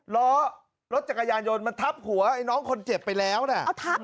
ล้อรถจักรยานยนต์มันทับหัวไอ้น้องคนเจ็บไปแล้วนะ